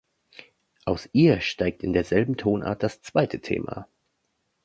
Aus ihr steigt in derselben Tonart das zweite Thema.